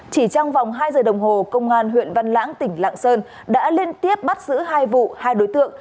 chỉ trong vòng hai giờ đồng hồ công an huyện văn lãng tỉnh lạng sơn đã liên tiếp bắt giữ hai vụ hai đối tượng